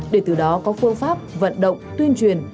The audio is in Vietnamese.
để từ đó có phương pháp vận động tuyên truyền